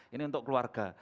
ini untuk keluarga